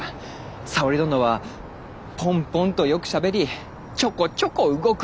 沙織殿はぽんぽんとよくしゃべりちょこちょこ動くのでな。